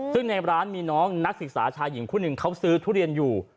ซึ่งในร้านมีน้องนักศึกษาชายหญิงคู่หนึ่งเขาซื้อทุเรียนอยู่